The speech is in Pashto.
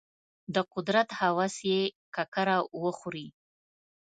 د قدرت هوس یې ککره وخوري.